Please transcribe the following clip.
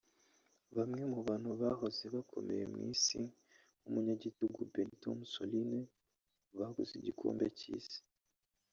Bamwe mu bantu bahoze bakomeye mu isi nk’umunyagitugu Benito Mussolini baguze igikombe cy’isi